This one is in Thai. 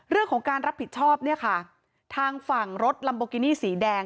เรื่องของการรับผิดชอบเนี่ยค่ะทางฝั่งรถลัมโบกินี่สีแดง